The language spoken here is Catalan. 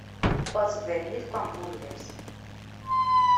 Pots venir quan vulgues.